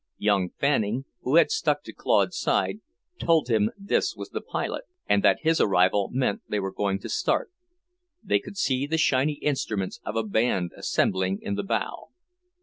Young Fanning, who had stuck to Claude's side, told him this was the pilot, and that his arrival meant they were going to start. They could see the shiny instruments of a band assembling in the bow.